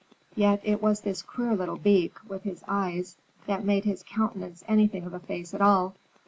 Yet it was this queer little beak, with his eyes, that made his countenance anything of a face at all.